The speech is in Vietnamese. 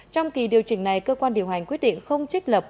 trong kỳ điều chỉnh này cơ quan điều hành quyết định không trích lập